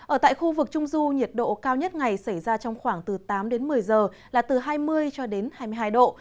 ở tại khu vực trung du nhiệt độ cao nhất ngày xảy ra trong khoảng từ tám đến một mươi giờ là từ hai mươi cho đến hai mươi hai độ